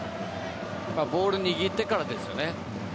ボール、握ってからですよね。